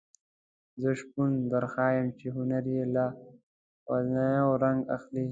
زه شپون درښیم چې هنر یې له ودانیو رنګ اخلي.